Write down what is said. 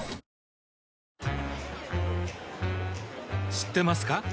知ってますか？